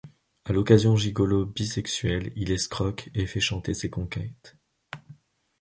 À l'occasion gigolo bisexuel, il escroque et fait chanter ses conquêtes.